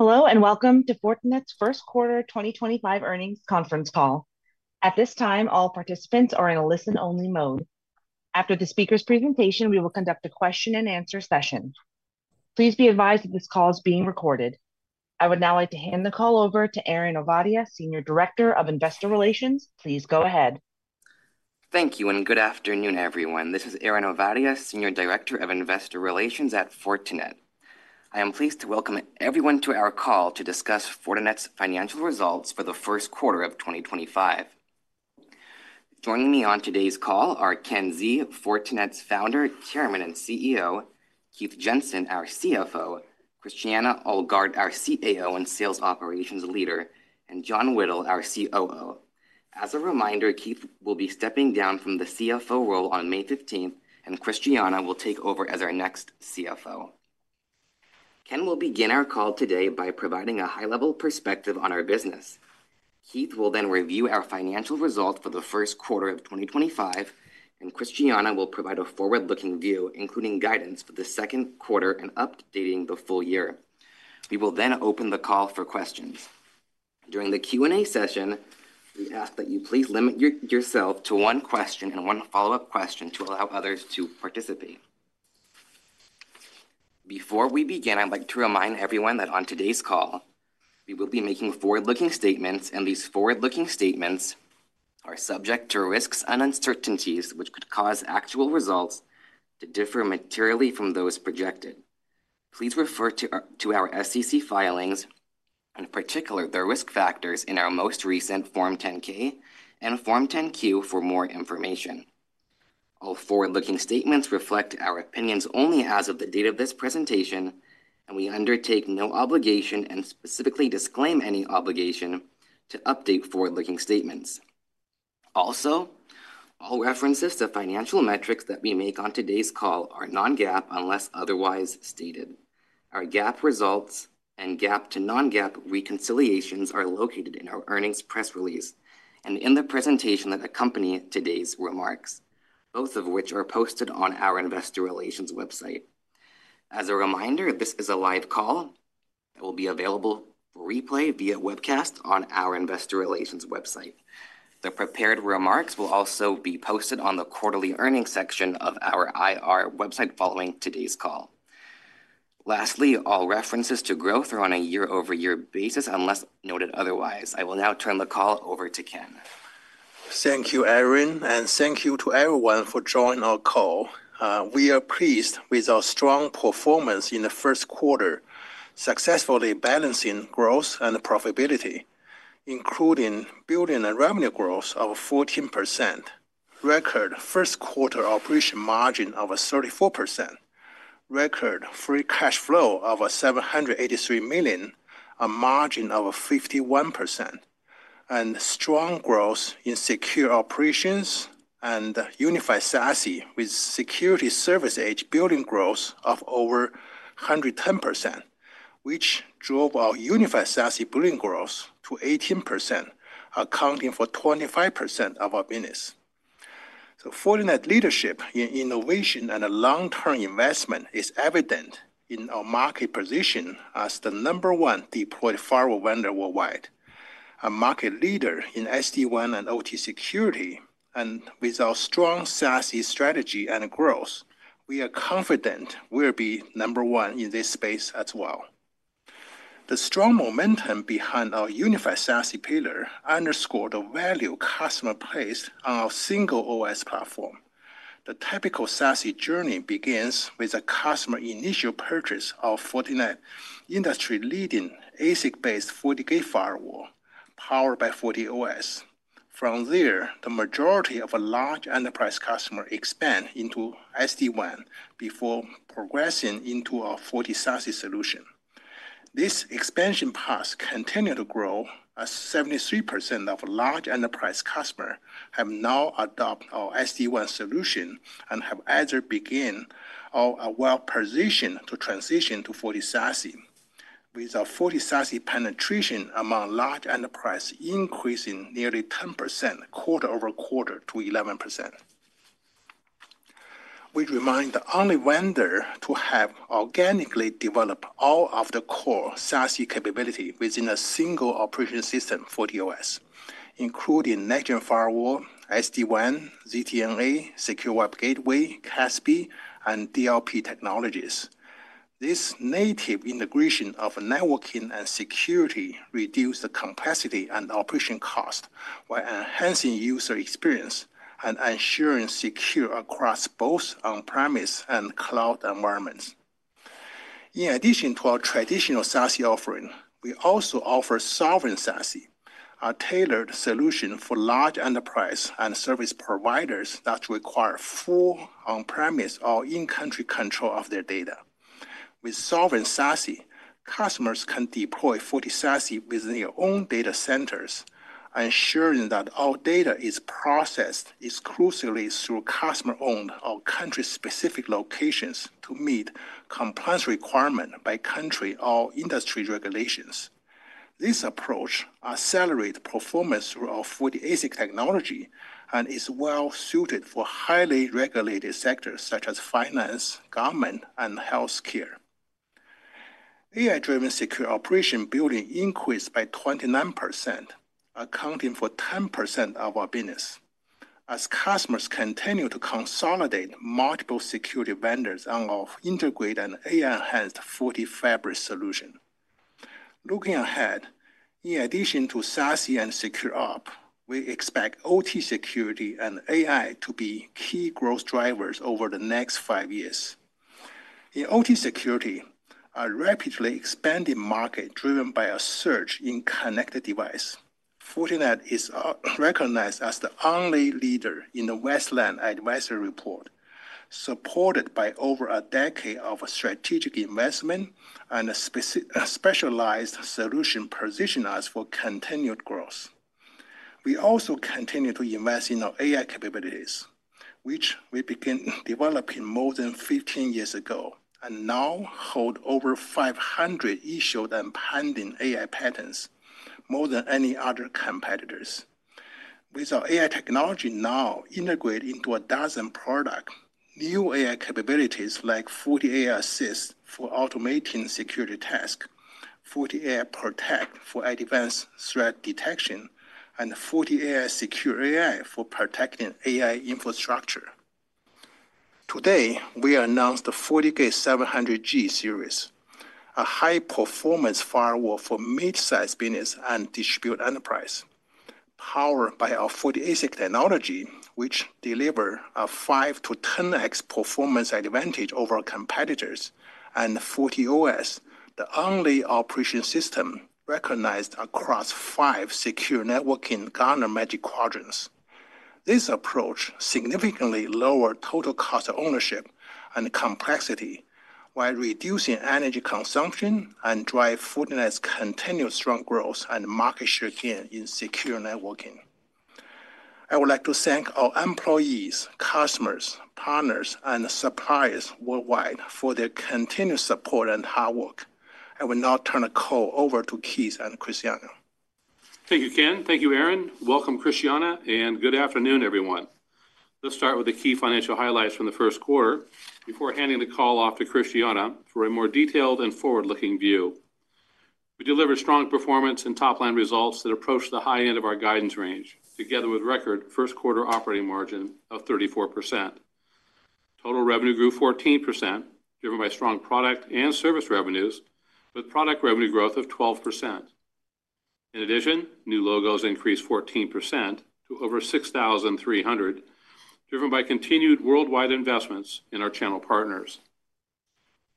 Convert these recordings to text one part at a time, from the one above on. Hello, and welcome to Fortinet's first quarter 2025 earnings conference call. At this time, all participants are in a listen-only mode. After the speaker's presentation, we will conduct a question-and-answer session. Please be advised that this call is being recorded. I would now like to hand the call over to Aaron Ovadia, Senior Director of Investor Relations. Please go ahead. Thank you, and good afternoon, everyone. This is Aaron Ovadia, Senior Director of Investor Relations at Fortinet. I am pleased to welcome everyone to our call to discuss Fortinet's financial results for the first quarter of 2025. Joining me on today's call are Ken Xie, Fortinet's founder, chairman, and CEO; Keith Jensen, our CFO; Christiane Ohlgart, our CAO and Sales Operations Leader; and John Whittle, our COO. As a reminder, Keith will be stepping down from the CFO role on May 15th, and Christiane will take over as our next CFO. Ken will begin our call today by providing a high-level perspective on our business. Keith will then review our financial results for the first quarter of 2025, and Christiane will provide a forward-looking view, including guidance for the second quarter and updating the full year. We will then open the call for questions. During the Q&A session, we ask that you please limit yourself to one question and one follow-up question to allow others to participate. Before we begin, I'd like to remind everyone that on today's call, we will be making forward-looking statements, and these forward-looking statements are subject to risks and uncertainties which could cause actual results to differ materially from those projected. Please refer to our SEC filings, in particular their risk factors, in our most recent Form 10-K and Form 10-Q for more information. All forward-looking statements reflect our opinions only as of the date of this presentation, and we undertake no obligation and specifically disclaim any obligation to update forward-looking statements. Also, all references to financial metrics that we make on today's call are non-GAAP unless otherwise stated. Our GAAP results and GAAP to non-GAAP reconciliations are located in our earnings press release and in the presentation that accompany today's remarks, both of which are posted on our Investor Relations website. As a reminder, this is a live call that will be available for replay via webcast on our Investor Relations website. The prepared remarks will also be posted on the quarterly earnings section of our IR website following today's call. Lastly, all references to growth are on a year-over-year basis unless noted otherwise. I will now turn the call over to Ken. Thank you, Aaron, and thank you to everyone for joining our call. We are pleased with our strong performance in the first quarter, successfully balancing growth and profitability, including building a revenue growth of 14%, record first quarter operating margin of 34%, record free cash flow of $783 million, a margin of 51%, and strong growth in secure operations and unified SASE with security service edge building growth of over 110%, which drove our unified SASE building growth to 18%, accounting for 25% of our business. Fortinet leadership in innovation and long-term investment is evident in our market position as the number one deployed firewall vendor worldwide, a market leader in SD-WAN and OT security, and with our strong SASE strategy and growth, we are confident we'll be number one in this space as well. The strong momentum behind our unified SASE pillar underscored the value customers placed on our single OS platform. The typical SASE journey begins with a customer initial purchase of Fortinet industry-leading ASIC-based 40K firewall powered by FortiOS. From there, the majority of large enterprise customers expand into SD-WAN before progressing into a Fortinet SASE solution. This expansion path continued to grow as 73% of large enterprise customers have now adopted our SD-WAN solution and have either begun or are well-positioned to transition to Fortinet SASE, with our Fortinet SASE penetration among large enterprises increasing nearly 10% quarter over quarter to 11%. We remain the only vendor to have organically developed all of the core SASE capability within a single operating system for the OS, including Next-Gen Firewall, SD-WAN, ZTNA, Secure Web Gateway, CASB, and DLP technologies. This native integration of networking and security reduces the complexity and operation cost while enhancing user experience and ensuring secure across both on-premise and cloud environments. In addition to our traditional SASE offering, we also offer Sovereign SASE, a tailored solution for large enterprises and service providers that require full on-premise or in-country control of their data. With Sovereign SASE, customers can deploy Fortinet SASE within their own data centers, ensuring that all data is processed exclusively through customer-owned or country-specific locations to meet compliance requirements by country or industry regulations. This approach accelerates performance through our Fortinet ASIC technology and is well-suited for highly regulated sectors such as finance, government, and healthcare. AI-driven secure operation building increased by 29%, accounting for 10% of our business, as customers continue to consolidate multiple security vendors and integrate an AI-enhanced Fortinet Fabric solution. Looking ahead, in addition to SASE and Secure Up, we expect OT security and AI to be key growth drivers over the next five years. In OT security, a rapidly expanding market driven by a surge in connected devices, Fortinet is recognized as the only leader in the Westland Advisory Report, supported by over a decade of strategic investment and a specialized solution positioning us for continued growth. We also continue to invest in our AI capabilities, which we began developing more than 15 years ago and now hold over 500 issued and pending AI patents, more than any other competitors. With our AI technology now integrated into a dozen products, new AI capabilities like Fortinet AI Assist for automating security tasks, Fortinet AI Protect for advanced threat detection, and Fortinet AI Secure AI for protecting AI infrastructure. Today, we announced the FortiGate 700G series, a high-performance firewall for mid-size business and distributed enterprise. Powered by our Fortinet ASIC technology, which delivers a 5-10x performance advantage over our competitors and FortiOS, the only operating system recognized across five secure networking Gartner Magic Quadrants. This approach significantly lowers total cost of ownership and complexity while reducing energy consumption and drives Fortinet's continued strong growth and market share gain in secure networking. I would like to thank our employees, customers, partners, and suppliers worldwide for their continued support and hard work. I will now turn the call over to Keith and Christiane. Thank you, Ken. Thank you, Aaron. Welcome, Christiane, and good afternoon, everyone. Let's start with the key financial highlights from the first quarter before handing the call off to Christiane for a more detailed and forward-looking view. We delivered strong performance and top-line results that approached the high end of our guidance range, together with record first quarter operating margin of 34%. Total revenue grew 14%, driven by strong product and service revenues, with product revenue growth of 12%. In addition, new logos increased 14% to over 6,300, driven by continued worldwide investments in our channel partners.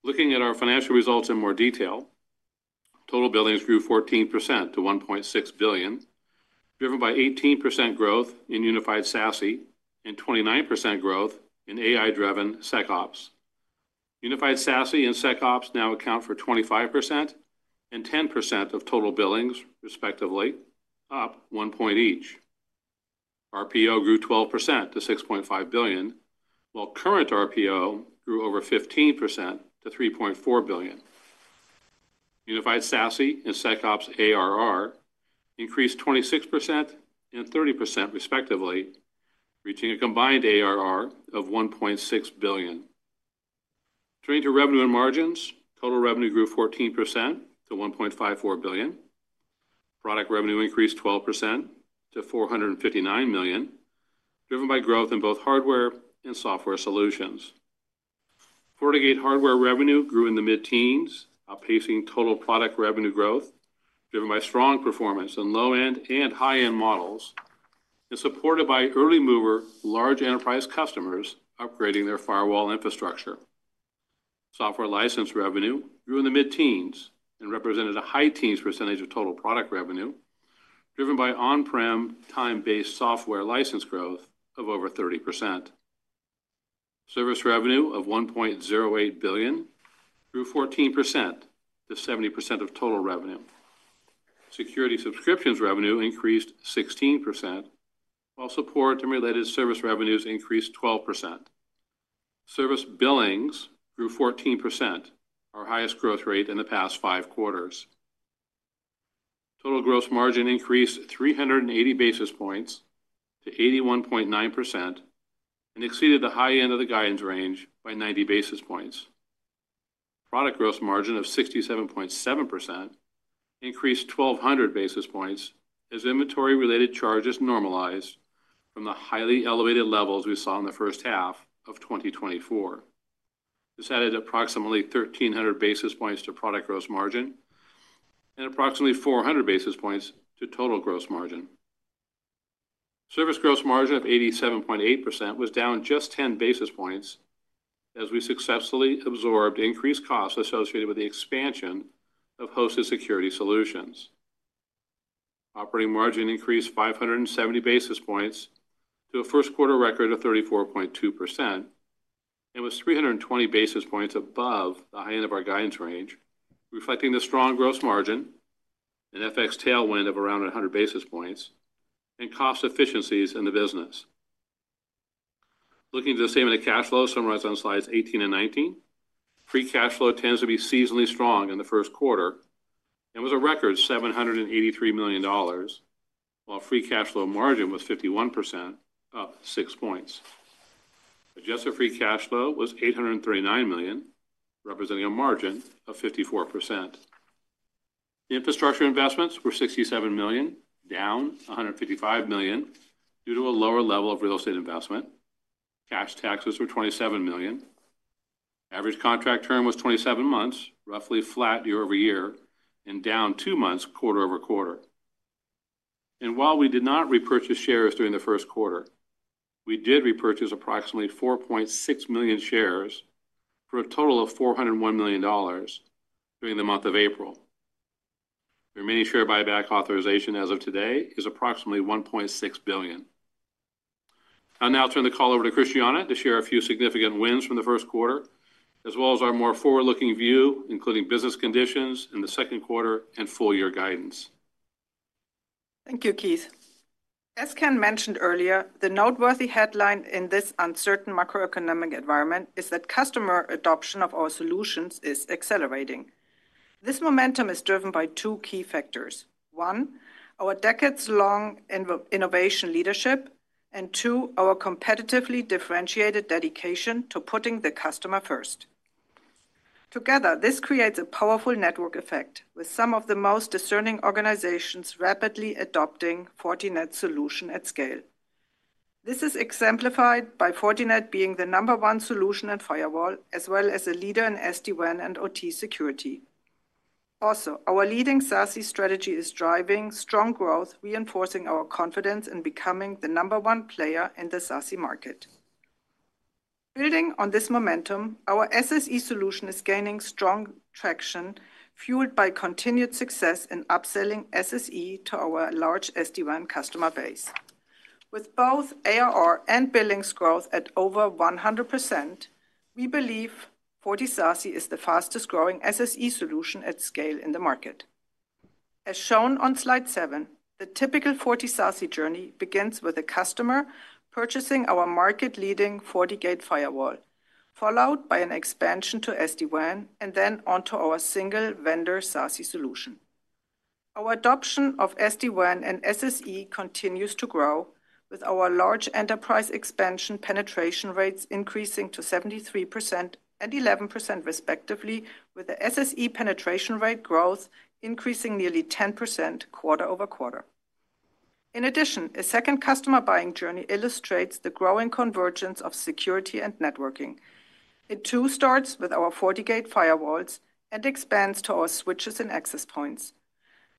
Looking at our financial results in more detail, total billings grew 14% to $1.6 billion, driven by 18% growth in unified SASE and 29% growth in AI-driven SecOps. Unified SASE and SecOps now account for 25% and 10% of total billings, respectively, up 1 point each. RPO grew 12% to $6.5 billion, while current RPO grew over 15% to $3.4 billion. Unified SASE and SecOps ARR increased 26% and 30%, respectively, reaching a combined ARR of $1.6 billion. Turning to revenue and margins, total revenue grew 14% to $1.54 billion. Product revenue increased 12% to $459 million, driven by growth in both hardware and software solutions. FortiGate hardware revenue grew in the mid-teens, outpacing total product revenue growth, driven by strong performance in low-end and high-end models and supported by early-mover, large enterprise customers upgrading their firewall infrastructure. Software license revenue grew in the mid-teens and represented a high teens percentage of total product revenue, driven by on-prem time-based software license growth of over 30%. Service revenue of $1.08 billion grew 14% to 70% of total revenue. Security subscriptions revenue increased 16%, while support and related service revenues increased 12%. Service billings grew 14%, our highest growth rate in the past five quarters. Total gross margin increased 380 basis points to 81.9% and exceeded the high end of the guidance range by 90 basis points. Product gross margin of 67.7% increased 1,200 basis points as inventory-related charges normalized from the highly elevated levels we saw in the first half of 2024. This added approximately 1,300 basis points to product gross margin and approximately 400 basis points to total gross margin. Service gross margin of 87.8% was down just 10 basis points as we successfully absorbed increased costs associated with the expansion of hosted security solutions. Operating margin increased 570 basis points to a first quarter record of 34.2% and was 320 basis points above the high end of our guidance range, reflecting the strong gross margin, an FX tailwind of around 100 basis points, and cost efficiencies in the business. Looking to the statement of cash flow summarized on slides 18 and 19, free cash flow tends to be seasonally strong in the first quarter and was a record $783 million, while free cash flow margin was 51%, up 6 percentage points. Adjusted free cash flow was $839 million, representing a margin of 54%. Infrastructure investments were $67 million, down $155 million due to a lower level of real estate investment. Cash taxes were $27 million. Average contract term was 27 months, roughly flat year over year, and down 2 months quarter over quarter. While we did not repurchase shares during the first quarter, we did repurchase approximately 4.6 million shares for a total of $401 million during the month of April. The remaining share buyback authorization as of today is approximately $1.6 billion. I'll now turn the call over to Christiane to share a few significant wins from the first quarter, as well as our more forward-looking view, including business conditions in the second quarter and full-year guidance. Thank you, Keith. As Ken mentioned earlier, the noteworthy headline in this uncertain macroeconomic environment is that customer adoption of our solutions is accelerating. This momentum is driven by two key factors: one, our decades-long innovation leadership, and two, our competitively differentiated dedication to putting the customer first. Together, this creates a powerful network effect, with some of the most discerning organizations rapidly adopting Fortinet's solution at scale. This is exemplified by Fortinet being the number one solution and firewall, as well as a leader in SD-WAN and OT security. Also, our leading SASE strategy is driving strong growth, reinforcing our confidence in becoming the number one player in the SASE market. Building on this momentum, our SSE solution is gaining strong traction, fueled by continued success in upselling SSE to our large SD-WAN customer base. With both ARR and billings growth at over 100%, we believe Fortinet SASE is the fastest-growing SSE solution at scale in the market. As shown on slide seven, the typical Fortinet SASE journey begins with a customer purchasing our market-leading FortiGate firewall, followed by an expansion to SD-WAN and then onto our single vendor SASE solution. Our adoption of SD-WAN and SSE continues to grow, with our large enterprise expansion penetration rates increasing to 73% and 11%, respectively, with the SSE penetration rate growth increasing nearly 10% quarter over quarter. In addition, a second customer buying journey illustrates the growing convergence of security and networking. It too starts with our FortiGate firewalls and expands to our switches and access points.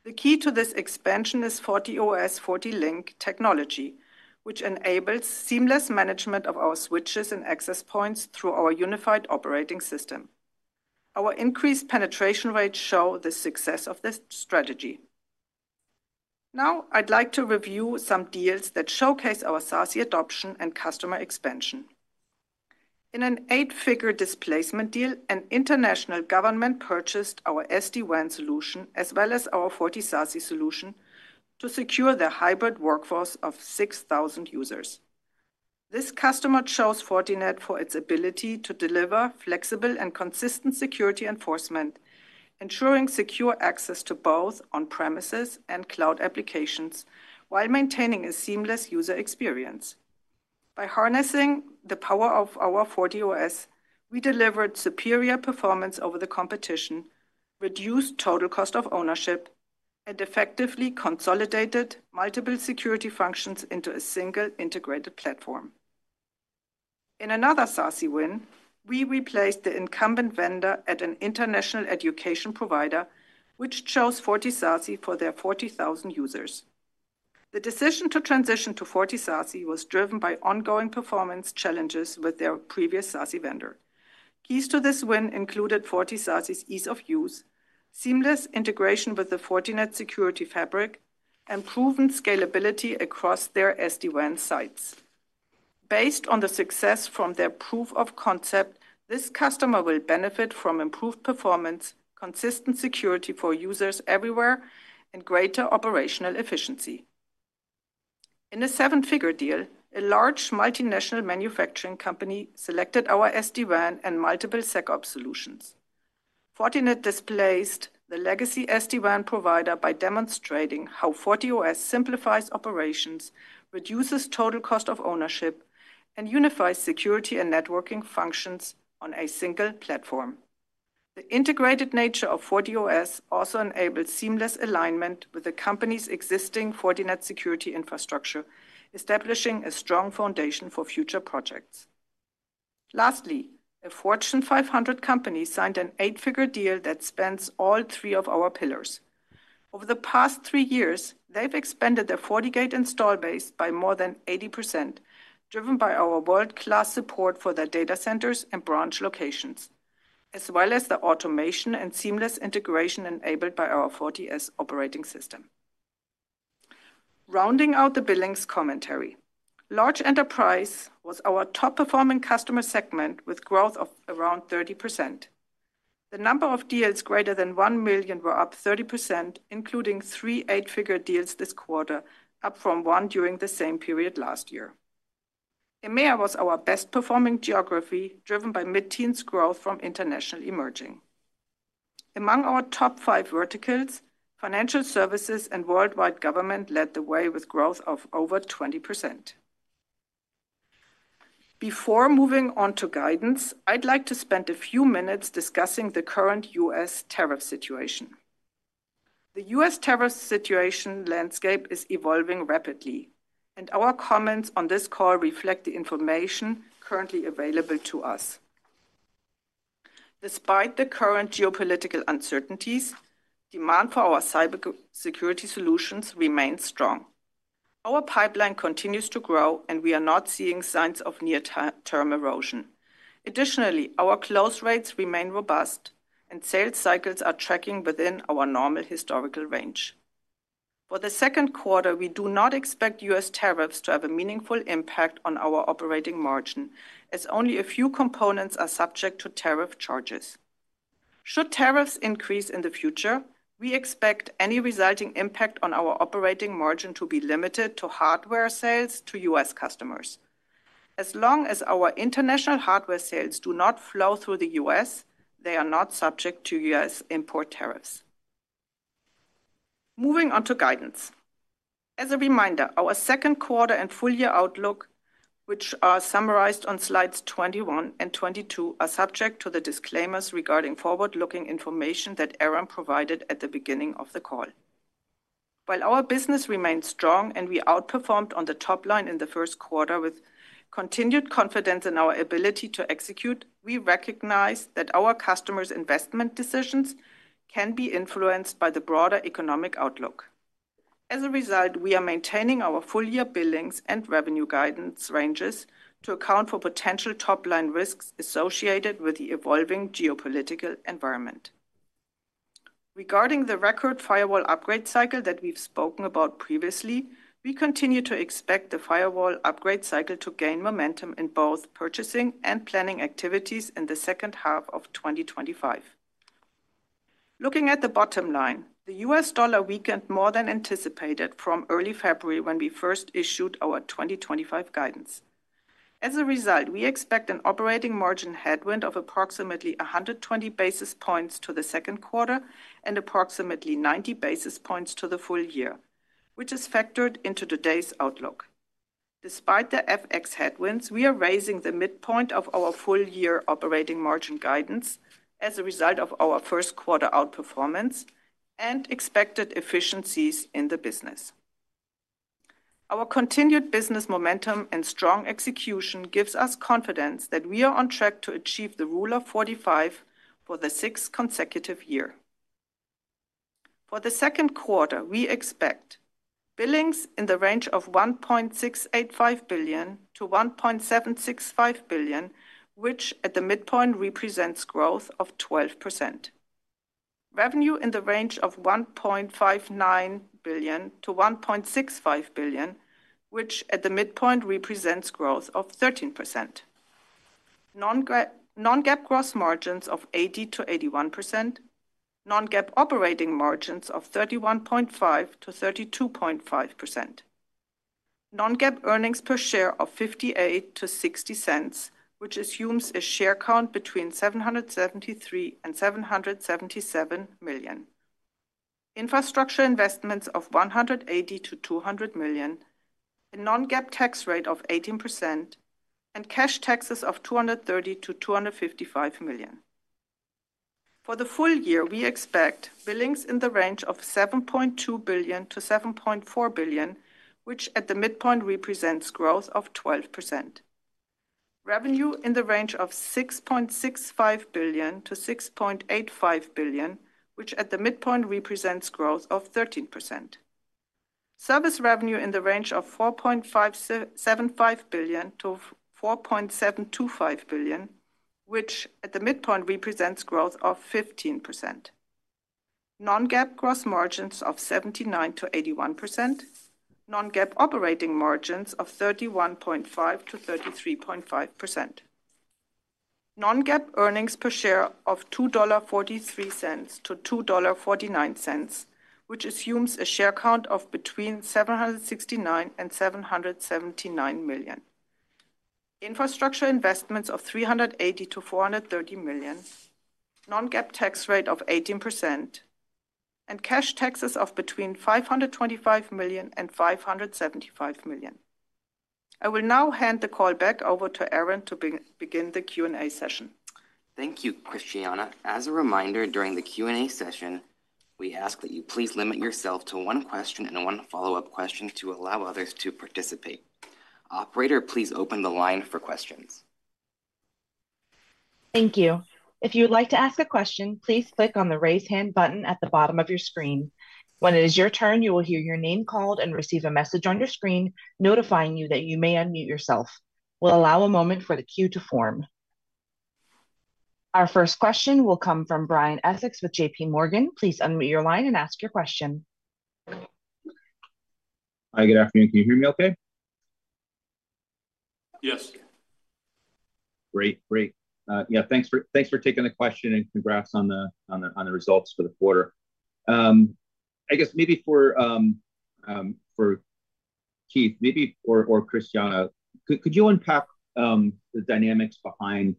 The key to this expansion is FortiOS Fortinet Link technology, which enables seamless management of our switches and access points through our unified operating system. Our increased penetration rates show the success of this strategy. Now, I'd like to review some deals that showcase our SASE adoption and customer expansion. In an eight-figure displacement deal, an international government purchased our SD-WAN solution as well as our Fortinet SASE solution to secure the hybrid workforce of 6,000 users. This customer chose Fortinet for its ability to deliver flexible and consistent security enforcement, ensuring secure access to both on-premises and cloud applications while maintaining a seamless user experience. By harnessing the power of our FortiOS, we delivered superior performance over the competition, reduced total cost of ownership, and effectively consolidated multiple security functions into a single integrated platform. In another SASE win, we replaced the incumbent vendor at an international education provider, which chose Fortinet SASE for their 40,000 users. The decision to transition to Fortinet SASE was driven by ongoing performance challenges with their previous SASE vendor. Keys to this win included Fortinet SASE's ease of use, seamless integration with the Fortinet security fabric, and proven scalability across their SD-WAN sites. Based on the success from their proof of concept, this customer will benefit from improved performance, consistent security for users everywhere, and greater operational efficiency. In a seven-figure deal, a large multinational manufacturing company selected our SD-WAN and multiple SecOps solutions. Fortinet displaced the legacy SD-WAN provider by demonstrating how FortiOS simplifies operations, reduces total cost of ownership, and unifies security and networking functions on a single platform. The integrated nature of FortiOS also enables seamless alignment with the company's existing Fortinet security infrastructure, establishing a strong foundation for future projects. Lastly, a Fortinet 500 company signed an eight-figure deal that spans all three of our pillars. Over the past three years, they've expanded their FortiGate install base by more than 80%, driven by our world-class support for their data centers and branch locations, as well as the automation and seamless integration enabled by our FortiOS operating system. Rounding out the billings commentary, large enterprise was our top-performing customer segment with growth of around 30%. The number of deals greater than $1 million were up 30%, including three eight-figure deals this quarter, up from one during the same period last year. EMEA was our best-performing geography, driven by mid-teens growth from international emerging. Among our top five verticals, financial services and worldwide government led the way with growth of over 20%. Before moving on to guidance, I'd like to spend a few minutes discussing the current U.S. tariff situation. The U.S. tariff situation landscape is evolving rapidly, and our comments on this call reflect the information currently available to us. Despite the current geopolitical uncertainties, demand for our cybersecurity solutions remains strong. Our pipeline continues to grow, and we are not seeing signs of near-term erosion. Additionally, our close rates remain robust, and sales cycles are tracking within our normal historical range. For the second quarter, we do not expect U.S. tariffs to have a meaningful impact on our operating margin, as only a few components are subject to tariff charges. Should tariffs increase in the future, we expect any resulting impact on our operating margin to be limited to hardware sales to U.S. customers. As long as our international hardware sales do not flow through the U.S., they are not subject to U.S. import tariffs. Moving on to guidance. As a reminder, our second quarter and full-year outlook, which are summarized on slides 21 and 22, are subject to the disclaimers regarding forward-looking information that Aaron provided at the beginning of the call. While our business remained strong and we outperformed on the top line in the first quarter with continued confidence in our ability to execute, we recognize that our customers' investment decisions can be influenced by the broader economic outlook. As a result, we are maintaining our full-year billings and revenue guidance ranges to account for potential top-line risks associated with the evolving geopolitical environment. Regarding the record firewall upgrade cycle that we've spoken about previously, we continue to expect the firewall upgrade cycle to gain momentum in both purchasing and planning activities in the second half of 2025. Looking at the bottom line, the U.S. Dollar weakened more than anticipated from early February when we first issued our 2025 guidance. As a result, we expect an operating margin headwind of approximately 120 basis points to the second quarter and approximately 90 basis points to the full year, which is factored into today's outlook. Despite the FX headwinds, we are raising the midpoint of our full-year operating margin guidance as a result of our first quarter outperformance and expected efficiencies in the business. Our continued business momentum and strong execution gives us confidence that we are on track to achieve the rule of 45 for the sixth consecutive year. For the second quarter, we expect billings in the range of $1.685 billion-$1.765 billion, which at the midpoint represents growth of 12%. Revenue in the range of $1.59 billion-$1.65 billion, which at the midpoint represents growth of 13%. Non-GAAP gross margins of 80%-81%, Non-GAAP operating margins of 31.5%-32.5%. Non-GAAP earnings per share of $0.58-$0.60, which assumes a share count between 773 million and 777 million. Infrastructure investments of $180 million-$200 million, a Non-GAAP tax rate of 18%, and cash taxes of $230 million-$255 million. For the full year, we expect billings in the range of $7.2 billion-$7.4 billion, which at the midpoint represents growth of 12%. Revenue in the range of $6.65 billion-$6.85 billion, which at the midpoint represents growth of 13%. Service revenue in the range of $4.75 billion-$4.725 billion, which at the midpoint represents growth of 15%. Non-GAAP gross margins of 79%-81%, Non-GAAP operating margins of 31.5%-33.5%. Non-GAAP earnings per share of $2.43-$2.49, which assumes a share count of between 769 million and 779 million. Infrastructure investments of $380 million-$430 million, Non-GAAP tax rate of 18%, and cash taxes of between $525 million and $575 million. I will now hand the call back over to Aaron to begin the Q&A session. Thank you, Christiane. As a reminder, during the Q&A session, we ask that you please limit yourself to one question and one follow-up question to allow others to participate. Operator, please open the line for questions. Thank you. If you would like to ask a question, please click on the raise hand button at the bottom of your screen. When it is your turn, you will hear your name called and receive a message on your screen notifying you that you may unmute yourself. We'll allow a moment for the queue to form. Our first question will come from Brian Essex with JPMorgan. Please unmute your line and ask your question. Hi, good afternoon. Can you hear me okay? Yes. Great, great. Yeah, thanks for taking the question and congrats on the results for the quarter. I guess maybe for Keith, maybe or Christiane, could you unpack the dynamics behind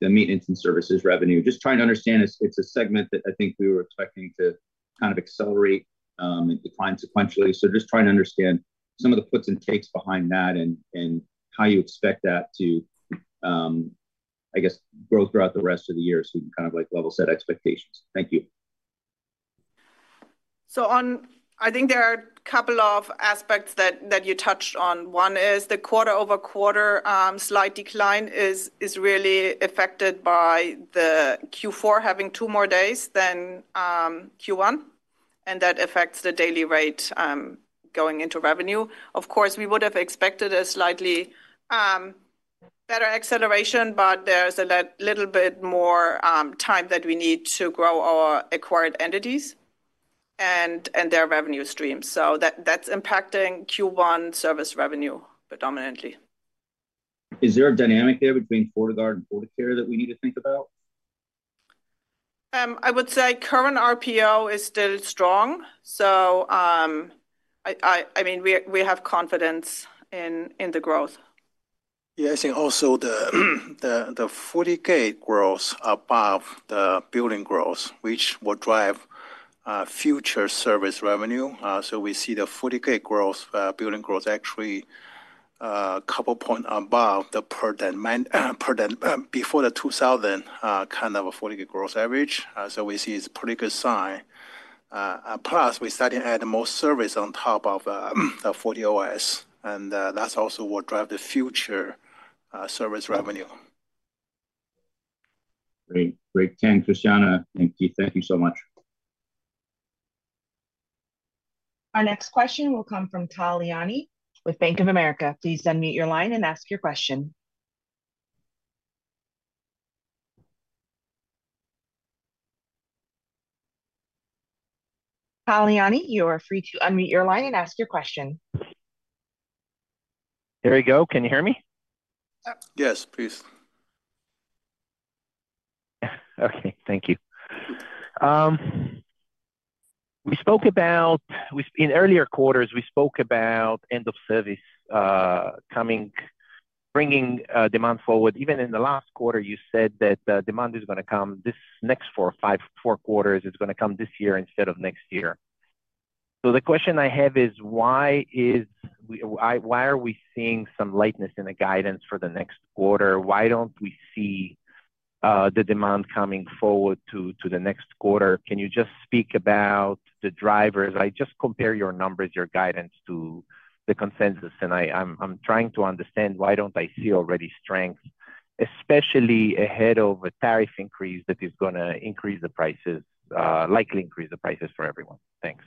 the maintenance and services revenue? Just trying to understand, it's a segment that I think we were expecting to kind of accelerate and decline sequentially. Just trying to understand some of the puts and takes behind that and how you expect that to, I guess, grow throughout the rest of the year so you can kind of level set expectations. Thank you. I think there are a couple of aspects that you touched on. One is the quarter-over-quarter slight decline is really affected by the Q4 having two more days than Q1, and that affects the daily rate going into revenue. Of course, we would have expected a slightly better acceleration, but there is a little bit more time that we need to grow our acquired entities and their revenue streams. That is impacting Q1 service revenue predominantly. Is there a dynamic there between Fortinet Guard and Fortinet Care that we need to think about? I would say current RPO is still strong. I mean, we have confidence in the growth. Yeah, I think also the FortiGate growth above the building growth, which will drive future service revenue. So we see the FortiGate growth, building growth actually a couple of points above the % before the 2000 kind of a FortiGate growth average. So we see it's a pretty good sign. Plus, we started adding more service on top of the FortiOS, and that's also what drives the future service revenue. Great, great. Thanks, Christiane. Thank you. Thank you so much. Our next question will come from Tal Liani with Bank of America. Please unmute your line and ask your question. Tal Liani, you are free to unmute your line and ask your question. There we go. Can you hear me? Yes, please. Okay, thank you. In earlier quarters, we spoke about end of service coming, bringing demand forward. Even in the last quarter, you said that the demand is going to come this next four quarters, it's going to come this year instead of next year. The question I have is, why are we seeing some lightness in the guidance for the next quarter? Why don't we see the demand coming forward to the next quarter? Can you just speak about the drivers? I just compare your numbers, your guidance to the consensus, and I'm trying to understand why don't I see already strength, especially ahead of a tariff increase that is going to increase the prices, likely increase the prices for everyone. Thanks.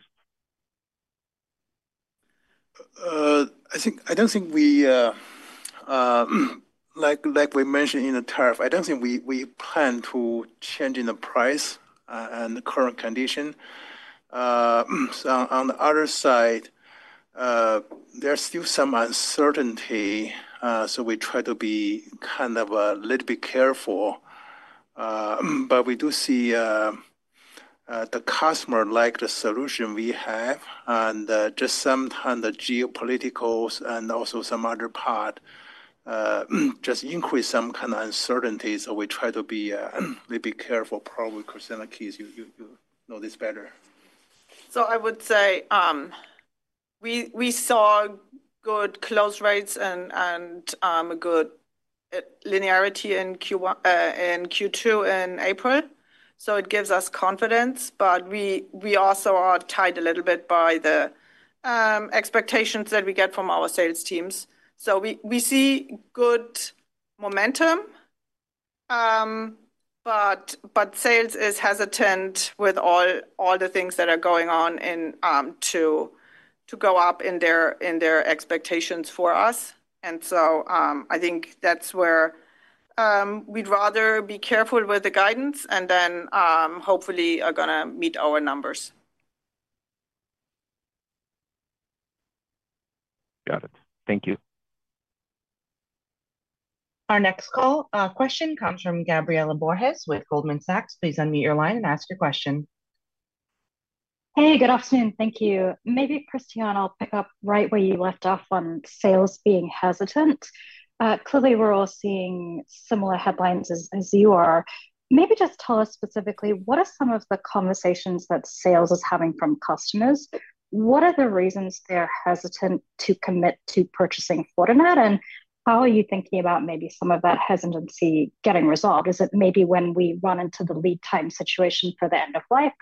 I do not think we, like we mentioned in the tariff, I do not think we plan to change in the price in the current condition. On the other side, there is still some uncertainty, so we try to be kind of a little bit careful. We do see the customer like the solution we have, and just sometimes the geopoliticals and also some other part just increase some kind of uncertainties. We try to be a little bit careful, probably Christiane and Keith, you know this better. I would say we saw good close rates and a good linearity in Q2 in April. It gives us confidence, but we also are tied a little bit by the expectations that we get from our sales teams. We see good momentum, but sales is hesitant with all the things that are going on to go up in their expectations for us. I think that's where we'd rather be careful with the guidance and then hopefully are going to meet our numbers. Got it. Thank you. Our next call question comes from Gabriela Borges with Goldman Sachs. Please unmute your line and ask your question. Hey, good afternoon. Thank you. Maybe Christiane, I'll pick up right where you left off on sales being hesitant. Clearly, we're all seeing similar headlines as you are. Maybe just tell us specifically what are some of the conversations that sales is having from customers? What are the reasons they're hesitant to commit to purchasing Fortinet? How are you thinking about maybe some of that hesitancy getting resolved? Is it maybe when we run into the lead time situation for the end of life?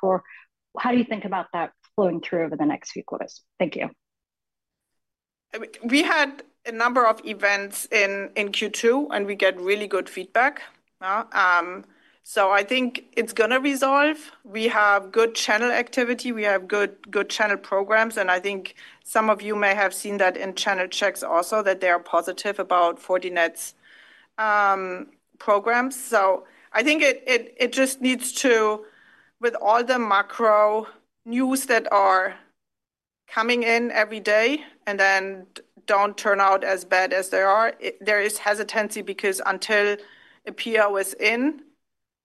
How do you think about that flowing through over the next few quarters? Thank you. We had a number of events in Q2, and we get really good feedback. I think it is going to resolve. We have good channel activity. We have good channel programs. I think some of you may have seen that in channel checks also that they are positive about Fortinet's programs. I think it just needs to, with all the macro news that are coming in every day and then do not turn out as bad as they are, there is hesitancy because until a PO is in,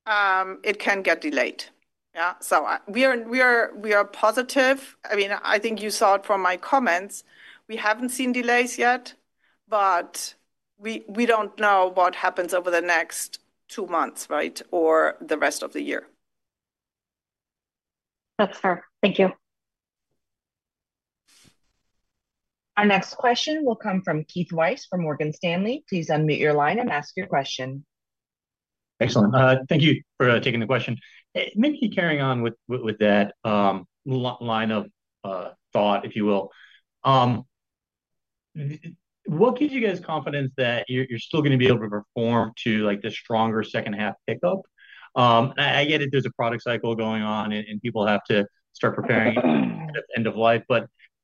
it can get delayed. We are positive. I mean, I think you saw it from my comments. We have not seen delays yet, but we do not know what happens over the next two months, right, or the rest of the year. That's fair. Thank you. Our next question will come from Keith Weiss from Morgan Stanley. Please unmute your line and ask your question. Excellent. Thank you for taking the question. Maybe carrying on with that line of thought, if you will, what gives you guys confidence that you're still going to be able to perform to the stronger second-half pickup? I get it. There's a product cycle going on, and people have to start preparing at the end of life.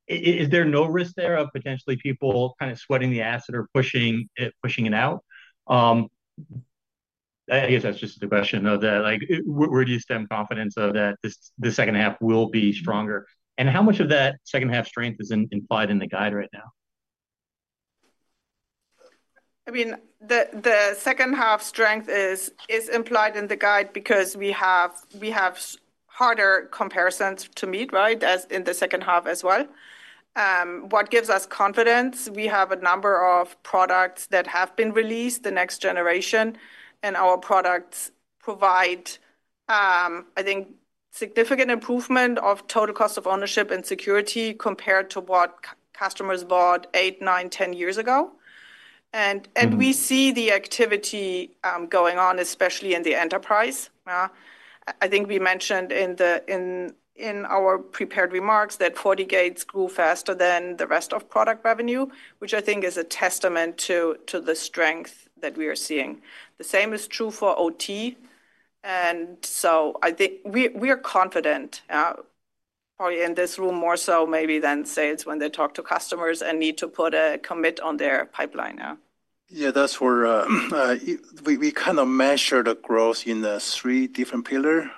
Is there no risk there of potentially people kind of sweating the asset or pushing it out? I guess that's just the question of that. Where do you stem confidence that the second half will be stronger? And how much of that second half strength is implied in the guide right now? I mean, the second half strength is implied in the guide because we have harder comparisons to meet, right, in the second half as well. What gives us confidence? We have a number of products that have been released, the next generation, and our products provide, I think, significant improvement of total cost of ownership and security compared to what customers bought 8, 9, 10 years ago. We see the activity going on, especially in the enterprise. I think we mentioned in our prepared remarks that FortiGate grew faster than the rest of product revenue, which I think is a testament to the strength that we are seeing. The same is true for OT. I think we are confident, probably in this room more so maybe than sales when they talk to customers and need to put a commit on their pipeline. Yeah, that's where we kind of measure the growth in the three different pillars.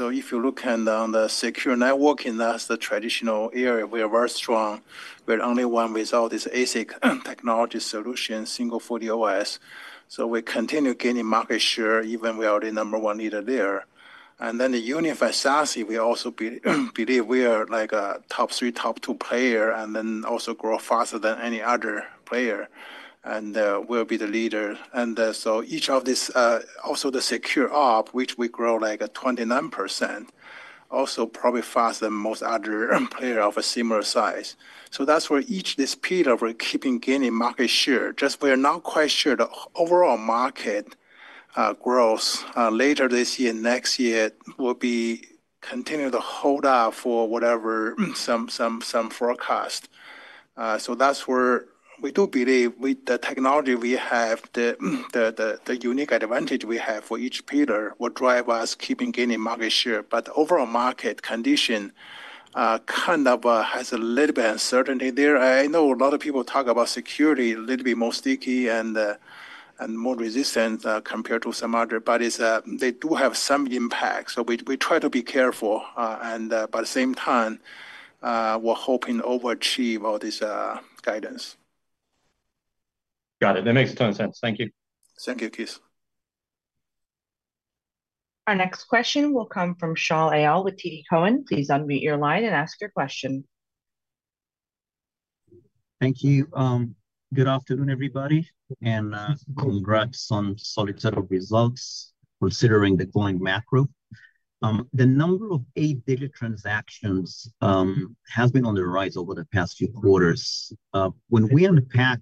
If you look at the secure networking, that's the traditional area. We are very strong. We're the only one with this ASIC technology solution, single FortiOS. We continue gaining market share even without the number one leader there. The unified SASE, we also believe we are like a top three, top two player, and also grow faster than any other player. We'll be the leader. Each of this, also the secure op, which we grow like 29%, also probably faster than most other players of a similar size. That's where each pillar we're keeping gaining market share. We are not quite sure the overall market growth later this year and next year will continue to hold up for whatever some forecast. That's where we do believe with the technology we have, the unique advantage we have for each pillar will drive us keeping gaining market share. The overall market condition kind of has a little bit of uncertainty there. I know a lot of people talk about security a little bit more sticky and more resistant compared to some other, but they do have some impact. We try to be careful. At the same time, we're hoping to overachieve all this guidance. Got it. That makes a ton of sense. Thank you. Thank you, Keith. Our next question will come from Shaul Eyal with TD Cowen. Please unmute your line and ask your question. Thank you. Good afternoon, everybody. And congrats on solid set of results considering the growing macro. The number of eight-digit transactions has been on the rise over the past few quarters. When we unpack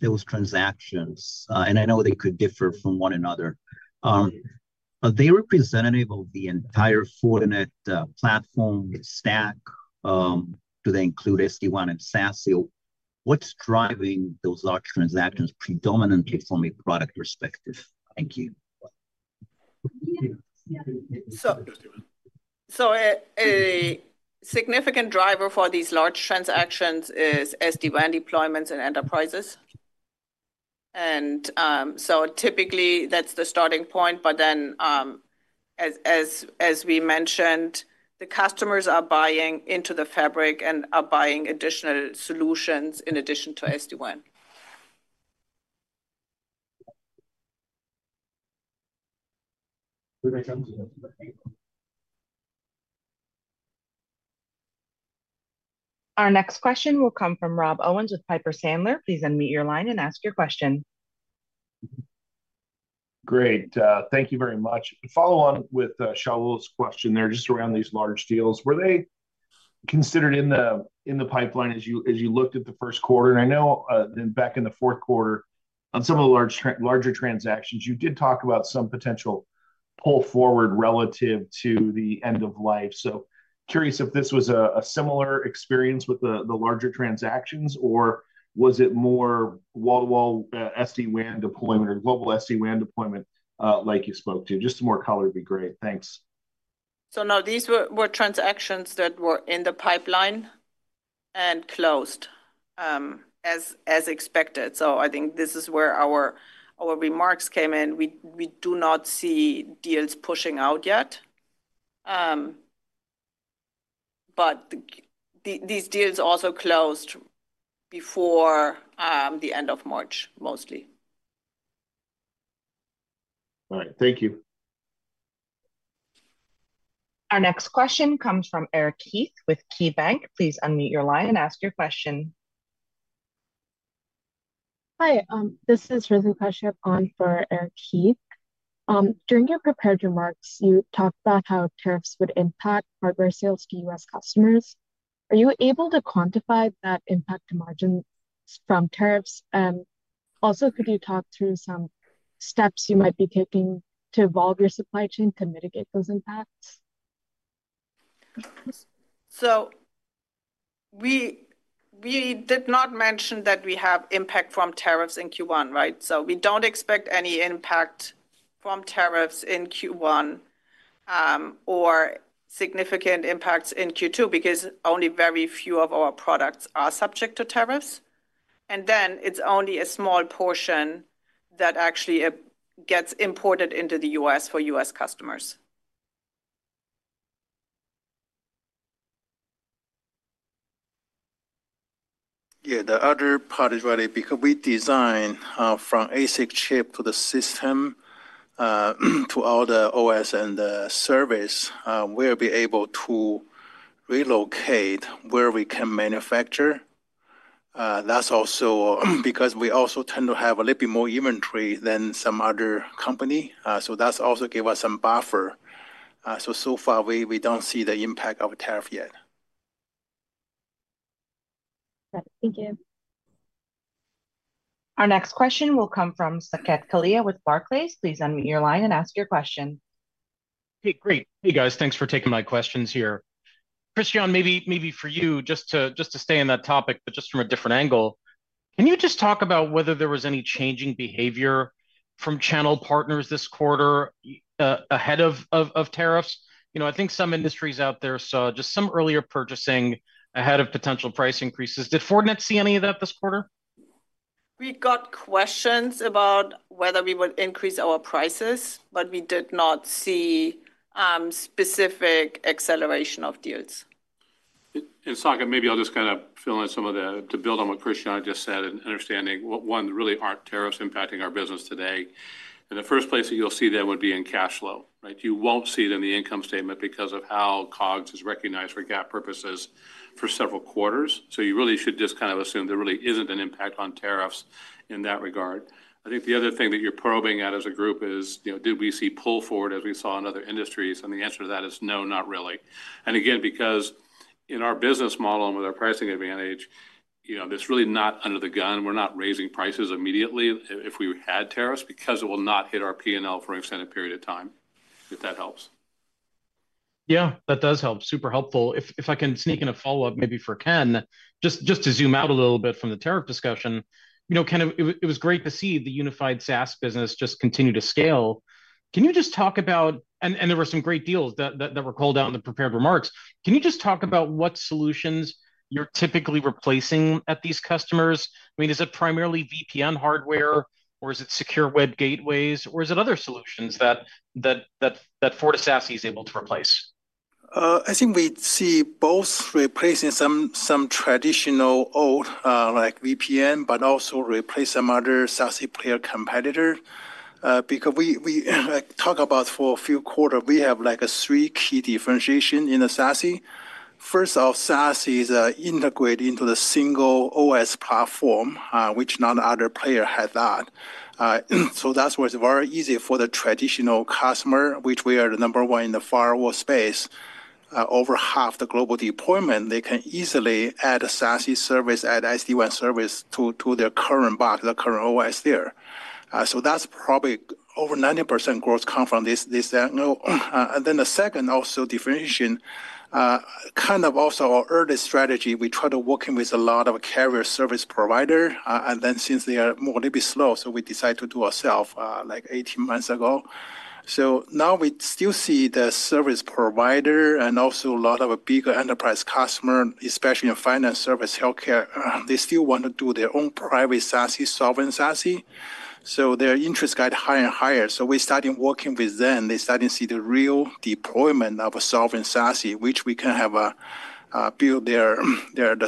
those transactions, and I know they could differ from one another, are they representative of the entire Fortinet platform stack? Do they include SD-WAN and SaaS? What's driving those large transactions predominantly from a product perspective? Thank you. A significant driver for these large transactions is SD-WAN deployments in enterprises. Typically, that's the starting point. As we mentioned, the customers are buying into the fabric and are buying additional solutions in addition to SD-WAN. Our next question will come from Rob Owens with Piper Sandler. Please unmute your line and ask your question. Great. Thank you very much. Follow on with Shawn's question there just around these large deals. Were they considered in the pipeline as you looked at the first quarter? I know back in the fourth quarter, on some of the larger transactions, you did talk about some potential pull forward relative to the end of life. Curious if this was a similar experience with the larger transactions, or was it more wall-to-wall SD-WAN deployment or global SD-WAN deployment like you spoke to? Just some more color would be great. Thanks. No, these were transactions that were in the pipeline and closed as expected. I think this is where our remarks came in. We do not see deals pushing out yet. These deals also closed before the end of March, mostly. All right. Thank you. Our next question comes from Ritu Kashyap with KeyBanc. Please unmute your line and ask your question. Hi. This is Ritu Kashyap on for Eric Keith. During your prepared remarks, you talked about how tariffs would impact hardware sales to US customers. Are you able to quantify that impact margin from tariffs? Also, could you talk through some steps you might be taking to evolve your supply chain to mitigate those impacts? We did not mention that we have impact from tariffs in Q1, right? We do not expect any impact from tariffs in Q1 or significant impacts in Q2 because only very few of our products are subject to tariffs. It is only a small portion that actually gets imported into the US for US customers. Yeah, the other part is really because we design from ASIC chip to the system to all the OS and the service, we'll be able to relocate where we can manufacture. That's also because we also tend to have a little bit more inventory than some other company. That also gives us some buffer. So far, we don't see the impact of tariff yet. Thank you. Our next question will come from Saket Kalia with Barclays. Please unmute your line and ask your question. Hey, great. Hey, guys. Thanks for taking my questions here. Christiane, maybe for you, just to stay in that topic, but just from a different angle, can you just talk about whether there was any changing behavior from channel partners this quarter ahead of tariffs? I think some industries out there saw just some earlier purchasing ahead of potential price increases. Did Fortinet see any of that this quarter? We got questions about whether we would increase our prices, but we did not see specific acceleration of deals. Saket, maybe I'll just kind of fill in some of that to build on what Christiane just said and understanding what one really aren't tariffs impacting our business today. The first place that you'll see that would be in cash flow, right? You won't see it in the income statement because of how COGS is recognized for GAAP purposes for several quarters. You really should just kind of assume there really isn't an impact on tariffs in that regard. I think the other thing that you're probing at as a group is, did we see pull forward as we saw in other industries? The answer to that is no, not really. Again, because in our business model and with our pricing advantage, this really not under the gun, we're not raising prices immediately if we had tariffs because it will not hit our P&L for an extended period of time, if that helps. Yeah, that does help. Super helpful. If I can sneak in a follow-up maybe for Ken, just to zoom out a little bit from the tariff discussion, it was great to see the unified SASE business just continue to scale. Can you just talk about, and there were some great deals that were called out in the prepared remarks, can you just talk about what solutions you're typically replacing at these customers? I mean, is it primarily VPN hardware, or is it secure web gateways, or is it other solutions that Fortinet SASE is able to replace? I think we see both replacing some traditional old VPN, but also replace some other SaaS player competitor. Because we talk about for a few quarters, we have three key differentiations in the SaaS. First off, SaaS is integrated into the single OS platform, which not other player has that. That is why it is very easy for the traditional customer, which we are the number one in the firewall space, over half the global deployment, they can easily add a SaaS service, an SD-WAN service to their current box, their current OS there. That is probably over 90% growth come from this angle. The second also differentiation, kind of also our early strategy, we try to work in with a lot of carrier service provider. Since they are more a little bit slow, we decide to do ourself like 18 months ago. Now we still see the service provider and also a lot of bigger enterprise customers, especially in finance, service, healthcare, they still want to do their own private SaaS, Sovereign SASE. Their interest got higher and higher. We started working with them. They started to see the real deployment of Sovereign SASE, which we can have build their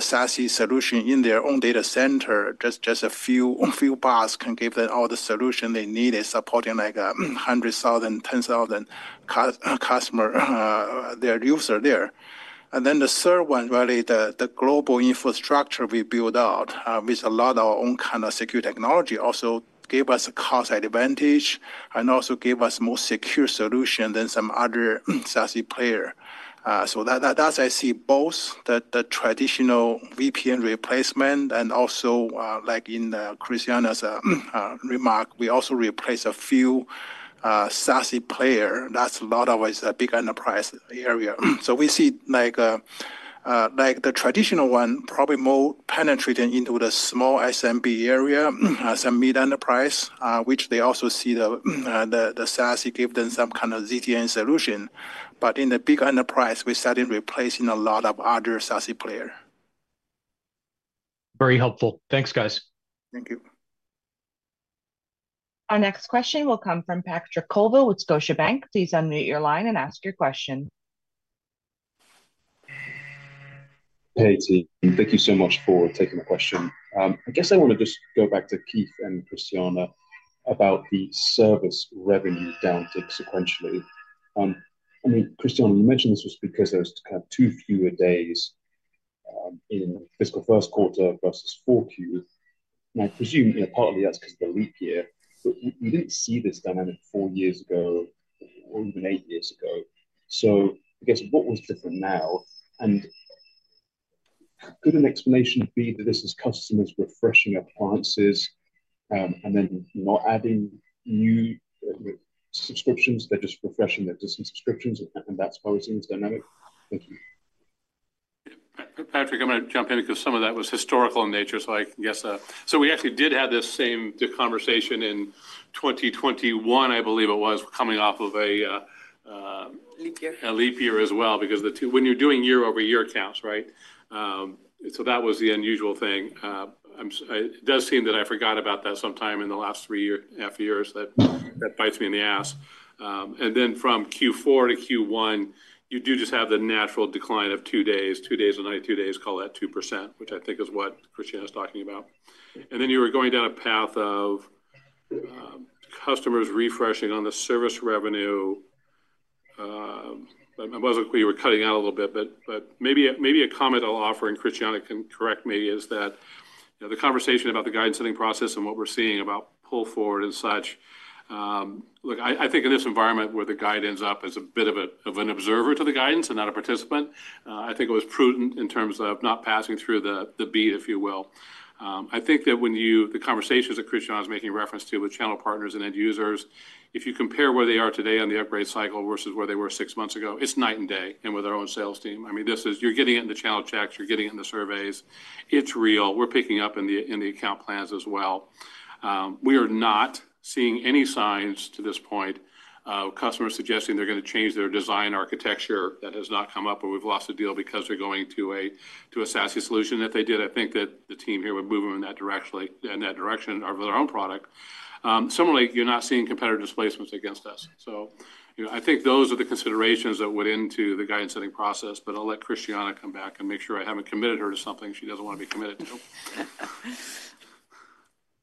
SaaS solution in their own data center. Just a few boxes can give them all the solution they needed supporting like 100,000, 10,000 customers, their users there. The third one, really the global infrastructure we built out with a lot of our own kind of secure technology also gave us a cost advantage and also gave us more secure solution than some other SaaS player. That is, I see both the traditional VPN replacement and also like in Christiane's remark, we also replaced a few SaaS players. That's a lot of us, a big enterprise area. We see like the traditional one probably more penetrating into the small SMB area, some mid enterprise, which they also see the SaaS give them some kind of ZTNA solution. In the big enterprise, we started replacing a lot of other SaaS players. Very helpful. Thanks, guys. Thank you. Our next question will come from Patrick Colville with Scotiabank. Please unmute your line and ask your question. Hey, team. Thank you so much for taking the question. I guess I want to just go back to Keith and Christiane about the service revenue downtick sequentially. I mean, Christiane, you mentioned this was because there was kind of two fewer days in fiscal first quarter versus Q4. I presume partly that's because of the leap year, but we did not see this dynamic four years ago or even eight years ago. I guess what was different now? Could an explanation be that this is customers refreshing appliances and then not adding new subscriptions? They are just refreshing their existing subscriptions, and that's why we are seeing this dynamic? Thank you. Patrick, I'm going to jump in because some of that was historical in nature, so I can guess. So we actually did have this same conversation in 2021, I believe it was, coming off of a. Leap year. A leap year as well, because when you're doing year-over-year counts, right? That was the unusual thing. It does seem that I forgot about that sometime in the last three years, that bites me in the ass. From Q4 to Q1, you do just have the natural decline of two days, two days a night, two days, call that 2%, which I think is what Christiane is talking about. You were going down a path of customers refreshing on the service revenue. I wasn't clear. You were cutting out a little bit, but maybe a comment I'll offer and Christiane can correct me is that the conversation about the guidance setting process and what we're seeing about pull forward and such, look, I think in this environment where the guidance up as a bit of an observer to the guidance and not a participant, I think it was prudent in terms of not passing through the beat, if you will. I think that when you the conversations that Christiane is making reference to with channel partners and end users, if you compare where they are today on the upgrade cycle versus where they were six months ago, it's night and day and with our own sales team. I mean, you're getting it in the channel checks, you're getting it in the surveys. It's real. We're picking up in the account plans as well. We are not seeing any signs to this point of customers suggesting they're going to change their design architecture. That has not come up, but we've lost a deal because they're going to a SaaS solution that they did. I think that the team here would move them in that direction of their own product. Similarly, you're not seeing competitor displacements against us. I think those are the considerations that went into the guidance setting process, but I'll let Christiane come back and make sure I haven't committed her to something she doesn't want to be committed to.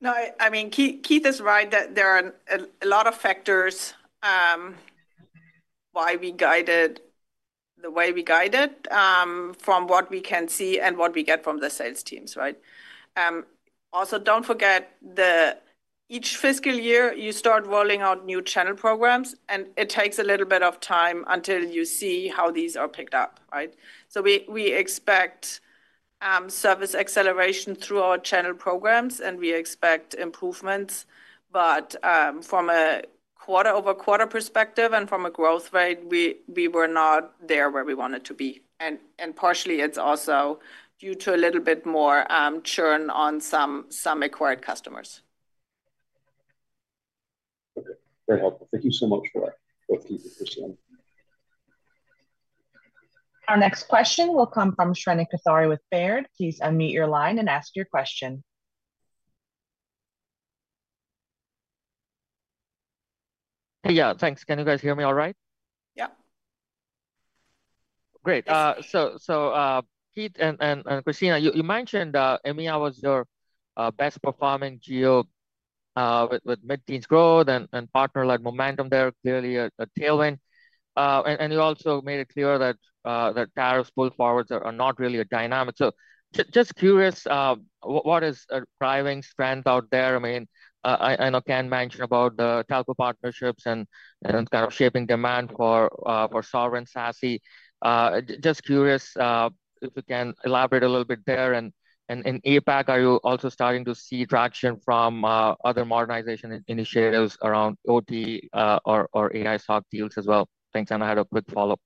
No, I mean, Keith is right that there are a lot of factors why we guided the way we guided from what we can see and what we get from the sales teams, right? Also, do not forget that each fiscal year you start rolling out new channel programs, and it takes a little bit of time until you see how these are picked up, right? We expect service acceleration through our channel programs, and we expect improvements. From a quarter-over-quarter perspective and from a growth rate, we were not there where we wanted to be. Partially, it is also due to a little bit more churn on some acquired customers. Okay. Very helpful. Thank you so much for both Keith and Christiane. Our next question will come from Shrenik Kothari with Baird. Please unmute your line and ask your question. Hey, yeah. Thanks. Can you guys hear me all right? Yep. Great. Keith and Christiane, you mentioned EMEA was your best performing deal with mid-teens growth and partner like Momentum there, clearly a tailwind. You also made it clear that tariffs pull forwards are not really a dynamic. Just curious, what is driving strength out there? I mean, I know Ken mentioned about the Telco partnerships and kind of shaping demand for sovereign SASE. Just curious if you can elaborate a little bit there. In APAC, are you also starting to see traction from other modernization initiatives around OT or AISOC deals as well? Thanks. I had a quick follow-up.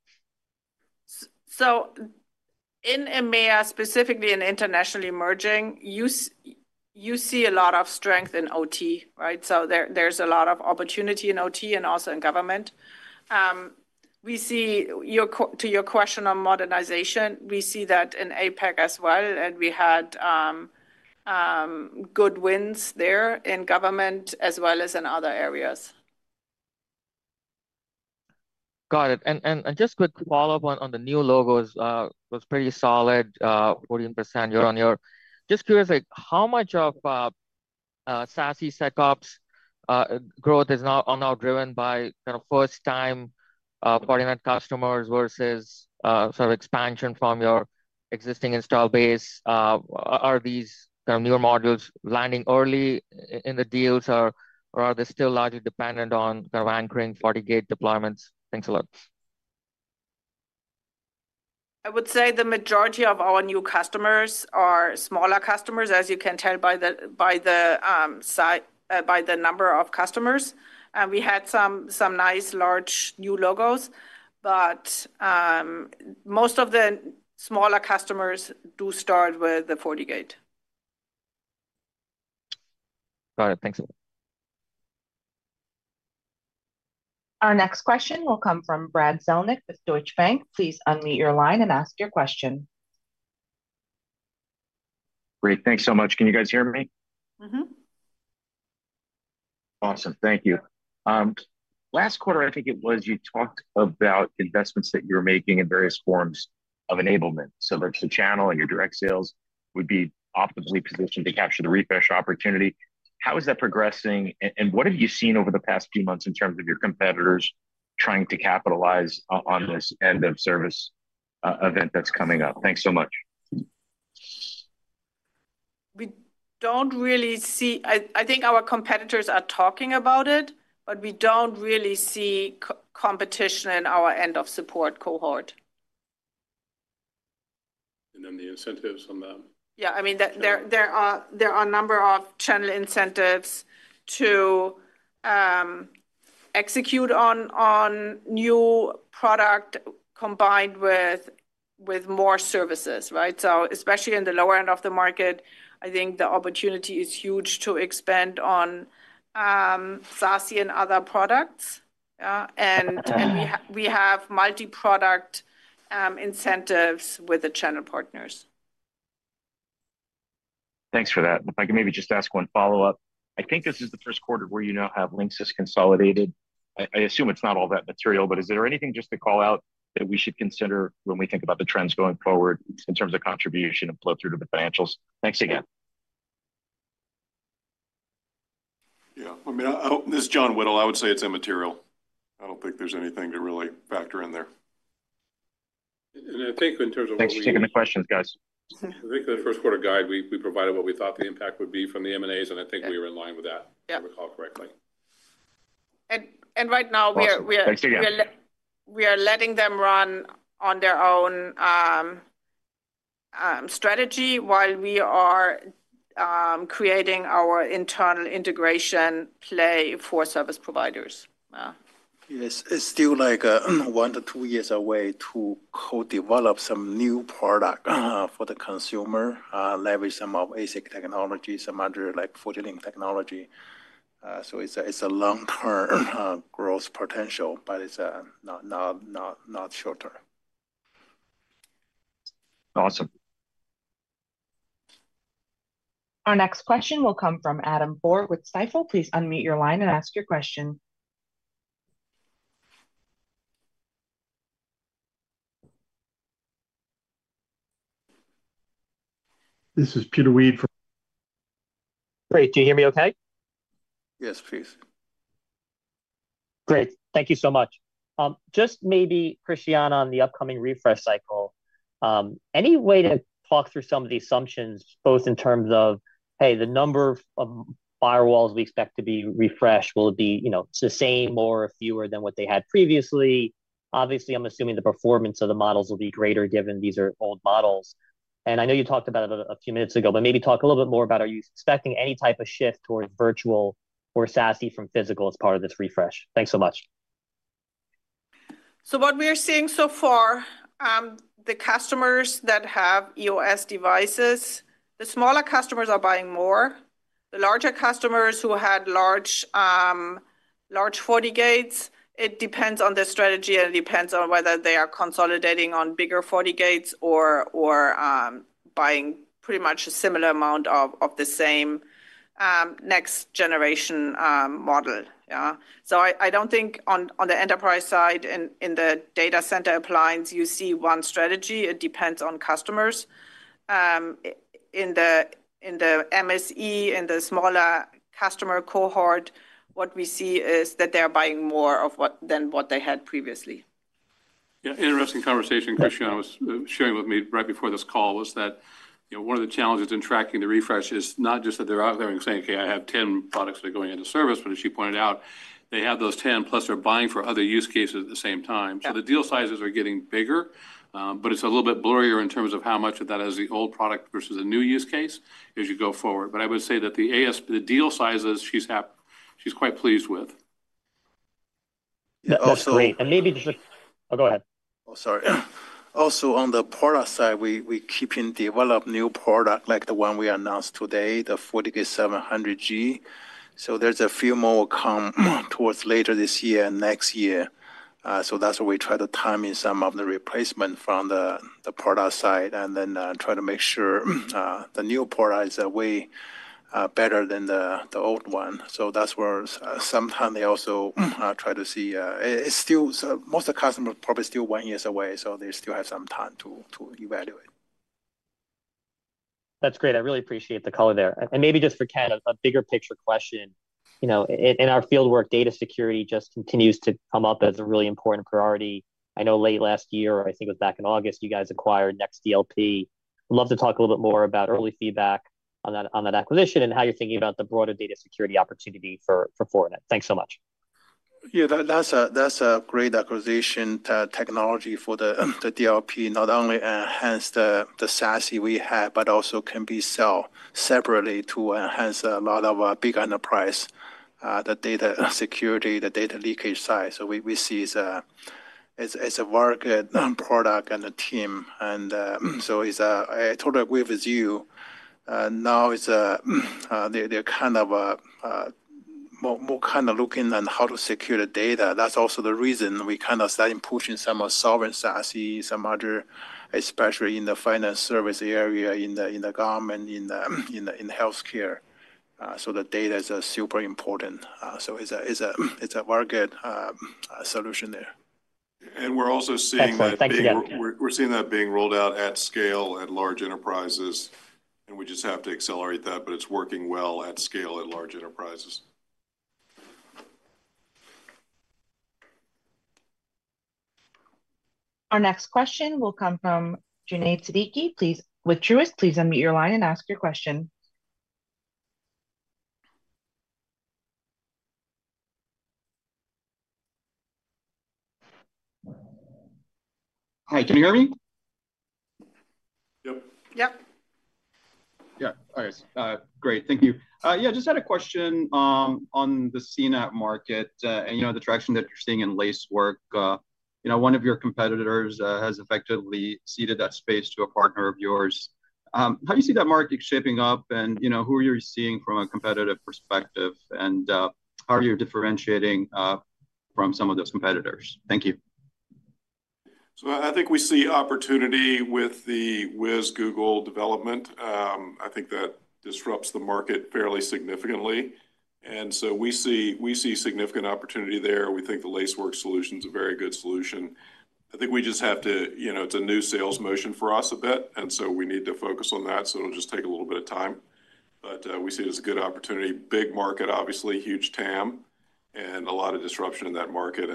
In EMEA, specifically in internationally emerging, you see a lot of strength in OT, right? There is a lot of opportunity in OT and also in government. To your question on modernization, we see that in APAC as well, and we had good wins there in government as well as in other areas. Got it. Just quick follow-up on the new logos was pretty solid, 14%. Just curious, how much of SaaS setups growth is now driven by kind of first-time Fortinet customers versus sort of expansion from your existing install base? Are these kind of newer modules landing early in the deals, or are they still largely dependent on kind of anchoring FortiGate deployments? Thanks a lot. I would say the majority of our new customers are smaller customers, as you can tell by the number of customers. We had some nice large new logos, but most of the smaller customers do start with the FortiGate. Got it. Thanks. Our next question will come from Brad Zelnick with Deutsche Bank. Please unmute your line and ask your question. Great. Thanks so much. Can you guys hear me? Mm-hmm. Awesome. Thank you. Last quarter, I think it was you talked about investments that you're making in various forms of enablement. So there's the channel and your direct sales would be optimally positioned to capture the refresh opportunity. How is that progressing, and what have you seen over the past few months in terms of your competitors trying to capitalize on this end-of-service event that's coming up? Thanks so much. We do not really see, I think our competitors are talking about it, but we do not really see competition in our end-of-support cohort. The incentives on that? Yeah. I mean, there are a number of channel incentives to execute on new product combined with more services, right? Especially in the lower end of the market, I think the opportunity is huge to expand on SaaS and other products. We have multi-product incentives with the channel partners. Thanks for that. If I can maybe just ask one follow-up. I think this is the first quarter where you now have Link as consolidated. I assume it's not all that material, but is there anything just to call out that we should consider when we think about the trends going forward in terms of contribution and flow through to the financials? Thanks again. Yeah. I mean, this is John Whittle. I would say it's immaterial. I don't think there's anything to really factor in there. I think in terms of. Thanks for taking the questions, guys. I think the first quarter guide, we provided what we thought the impact would be from the M&As, and I think we were in line with that, if I recall correctly. Right now, we are letting them run on their own strategy while we are creating our internal integration play for service providers. Yes. It's still like one to two years away to co-develop some new product for the consumer, leverage some of ASIC technology, some other like Fortinet technology. So it's a long-term growth potential, but it's not short-term. Awesome. Our next question will come from Adam Borg with Stifel. Please unmute your line and ask your question. This is Peter Weed from. Great. Do you hear me okay? Yes, please. Great. Thank you so much. Just maybe Christiane on the upcoming refresh cycle, any way to talk through some of the assumptions both in terms of, hey, the number of firewalls we expect to be refreshed will be the same or fewer than what they had previously? Obviously, I'm assuming the performance of the models will be greater given these are old models. And I know you talked about it a few minutes ago, but maybe talk a little bit more about are you expecting any type of shift towards virtual or SaaS from physical as part of this refresh? Thanks so much. What we are seeing so far, the customers that have EOS devices, the smaller customers are buying more. The larger customers who had large FortiGates, it depends on the strategy and it depends on whether they are consolidating on bigger FortiGates or buying pretty much a similar amount of the same next-generation model. I do not think on the enterprise side in the data center appliance, you see one strategy. It depends on customers. In the MSE, in the smaller customer cohort, what we see is that they are buying more than what they had previously. Yeah. Interesting conversation, Christiane. What she was sharing with me right before this call was that one of the challenges in tracking the refresh is not just that they're out there and saying, "Okay, I have 10 products that are going into service," but as she pointed out, they have those 10+ they're buying for other use cases at the same time. The deal sizes are getting bigger, but it's a little bit blurrier in terms of how much of that is the old product versus the new use case as you go forward. I would say that the deal sizes she's quite pleased with. Yeah. Also. Great. Maybe just. Oh, go ahead. Oh, sorry. Also on the product side, we keep in develop new product like the one we announced today, the FortiGate 700G. There are a few more coming towards later this year and next year. That is why we try to time in some of the replacement from the product side and then try to make sure the new product is way better than the old one. That is where sometimes they also try to see it is still most of the customers probably still one year away, so they still have some time to evaluate. That's great. I really appreciate the color there. Maybe just for Ken, a bigger picture question. In our fieldwork, data security just continues to come up as a really important priority. I know late last year, I think it was back in August, you guys acquired Next DLP. Love to talk a little bit more about early feedback on that acquisition and how you're thinking about the broader data security opportunity for Fortinet. Thanks so much. Yeah. That's a great acquisition technology for the DLP, not only enhance the SaaS we have, but also can be sold separately to enhance a lot of big enterprise, the data security, the data leakage side. We see it's a very good product and a team. I totally agree with you. Now they're kind of more kind of looking on how to secure the data. That's also the reason we kind of started pushing some of the sovereign SaaS, some other, especially in the finance service area, in the government, in healthcare. The data is super important. It's a very good solution there. We're also seeing. Thank you. We're seeing that being rolled out at scale at large enterprises, and we just have to accelerate that, but it's working well at scale at large enterprises. Our next question will come from Junaid Siddiqui with Truist, please unmute your line and ask your question. Hi. Can you hear me? Yep. Yep. Yeah. All right. Great. Thank you. Yeah. Just had a question on the CNAPP market and the traction that you're seeing in Lacework. One of your competitors has effectively ceded that space to a partner of yours. How do you see that market shaping up, and who are you seeing from a competitive perspective, and how are you differentiating from some of those competitors? Thank you. I think we see opportunity with the Wiz Google development. I think that disrupts the market fairly significantly. We see significant opportunity there. We think the Lacework solution is a very good solution. I think we just have to, it's a new sales motion for us a bit, and we need to focus on that. It'll just take a little bit of time. We see it as a good opportunity. Big market, obviously, huge TAM, and a lot of disruption in that market.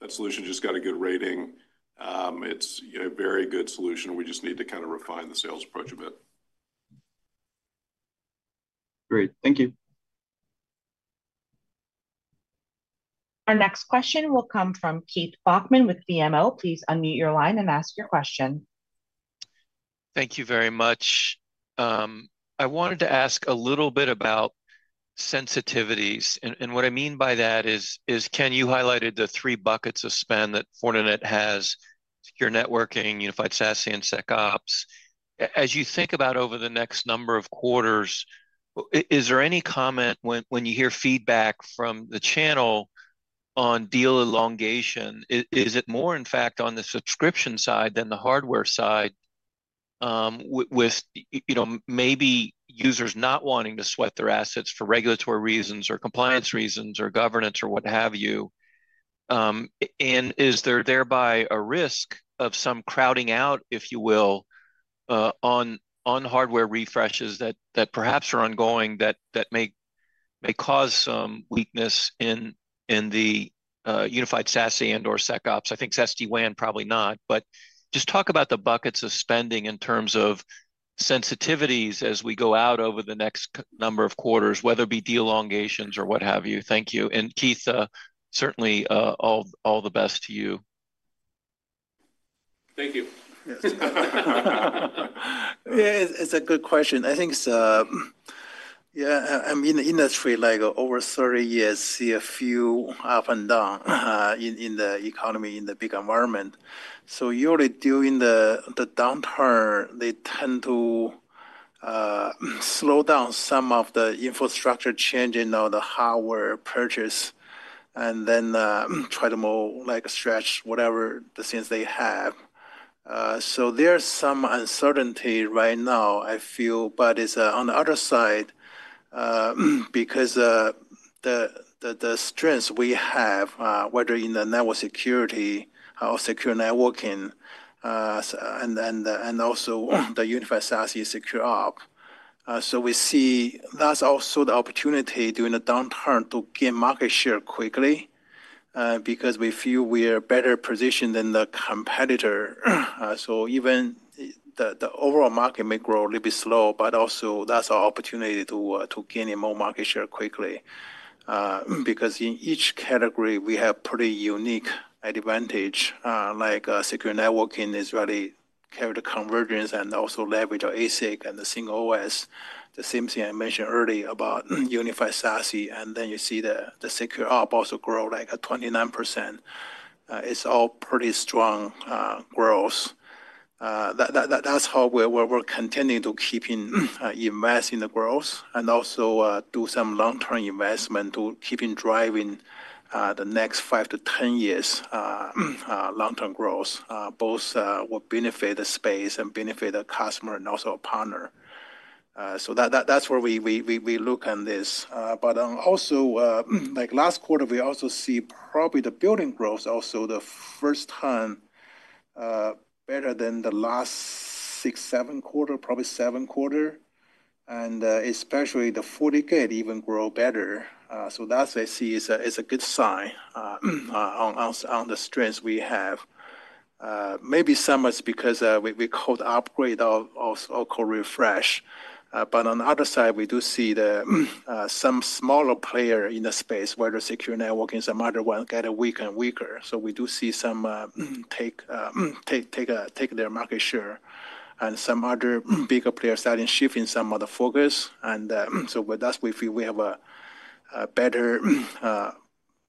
That solution just got a good rating. It's a very good solution. We just need to kind of refine the sales approach a bit. Great. Thank you. Our next question will come from Keith Bachman with BMO. Please unmute your line and ask your question. Thank you very much. I wanted to ask a little bit about sensitivities. What I mean by that is Ken, you highlighted the three buckets of spend that Fortinet has: secure networking, unified SASE, and SecOps. As you think about over the next number of quarters, is there any comment when you hear feedback from the channel on deal elongation? Is it more, in fact, on the subscription side than the hardware side, with maybe users not wanting to sweat their assets for regulatory reasons or compliance reasons or governance or what have you? Is there thereby a risk of some crowding out, if you will, on hardware refreshes that perhaps are ongoing that may cause some weakness in the unified SASE and/or SecOps? I think SD-WAN, probably not. Just talk about the buckets of spending in terms of sensitivities as we go out over the next number of quarters, whether it be deal elongations or what have you. Thank you. Keith, certainly all the best to you. Thank you. Yeah. It's a good question. I think, yeah, I'm in the industry over 30 years, see a few up and down in the economy, in the big environment. Usually during the downturn, they tend to slow down some of the infrastructure changing or the hardware purchase and then try to stretch whatever the things they have. There's some uncertainty right now, I feel. On the other side, because the strengths we have, whether in the network security or secure networking and also the unified SASE is secure up. We see that's also the opportunity during the downturn to gain market share quickly because we feel we are better positioned than the competitor. Even the overall market may grow a little bit slow, but also that's our opportunity to gain more market share quickly because in each category, we have pretty unique advantage. Like secure networking is really carry the convergence and also leverage ASIC and the single OS. The same thing I mentioned earlier about unified SASE, and then you see the secure up also grow like 29%. It's all pretty strong growth. That's how we're continuing to keep investing in the growth and also do some long-term investment to keep driving the next 5 to 10 years long-term growth, both will benefit the space and benefit the customer and also a partner. That's where we look on this. Last quarter, we also see probably the building growth, also the first time better than the last six, seven quarter, probably seven quarter, and especially the FortiGate even grow better. That's what I see is a good sign on the strengths we have. Maybe some is because we called upgrade or call refresh. On the other side, we do see some smaller players in the space, whether secure networking, some other ones get weaker and weaker. We do see some take their market share and some other bigger players starting shifting some of the focus. With us, we feel we have a better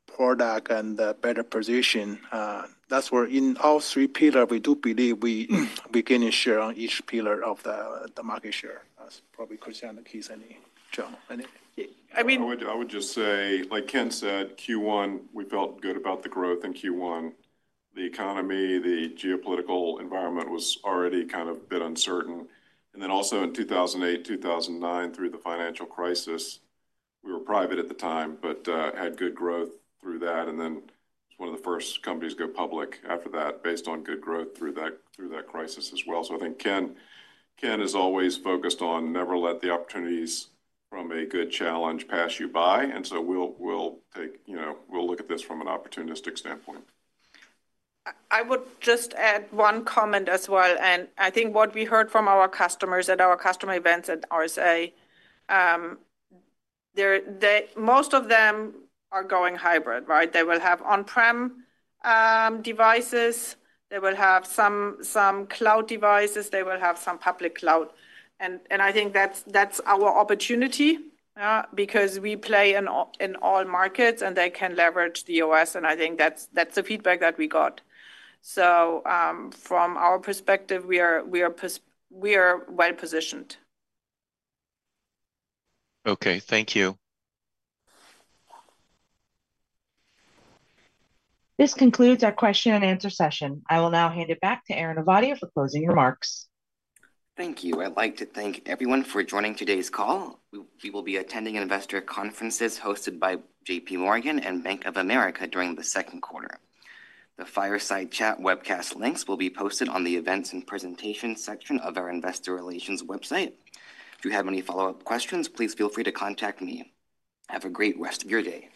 product and a better position. That's where in all three pillars, we do believe we gain a share on each pillar of the market share. That's probably Christiane, Keith, and John. I mean. I would just say, like Ken said, Q1, we felt good about the growth in Q1. The economy, the geopolitical environment was already kind of a bit uncertain. Also, in 2008, 2009, through the financial crisis, we were private at the time, but had good growth through that. It was one of the first companies to go public after that based on good growth through that crisis as well. I think Ken is always focused on never let the opportunities from a good challenge pass you by. We will look at this from an opportunistic standpoint. I would just add one comment as well. I think what we heard from our customers at our customer events at RSA, most of them are going hybrid, right? They will have on-prem devices. They will have some cloud devices. They will have some public cloud. I think that's our opportunity because we play in all markets and they can leverage the OS. I think that's the feedback that we got. From our perspective, we are well positioned. Okay. Thank you. This concludes our question and answer session. I will now hand it back to Aaron Ovadia for closing remarks. Thank you. I'd like to thank everyone for joining today's call. We will be attending investor conferences hosted by JPMorgan and Bank of America during the second quarter. The Fireside Chat webcast links will be posted on the events and presentation section of our investor relations website. If you have any follow-up questions, please feel free to contact me. Have a great rest of your day.